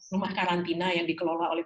rumah karantina yang dikelola oleh